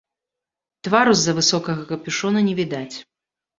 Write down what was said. Твару з-за высокага капюшона не відаць.